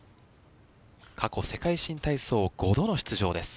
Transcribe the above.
過去世界新体操５度の出場です。